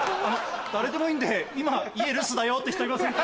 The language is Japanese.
誰でもいいんで今家留守だよって人いませんか？